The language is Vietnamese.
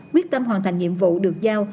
quyết tâm hoàn thành nhiệm vụ được giao